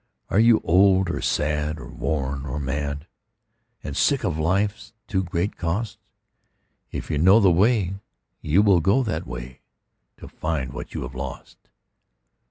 Are you old or sad or worn or mad, And sick of life's too great cost? If you know that way, you will go that way, To find what you have lost.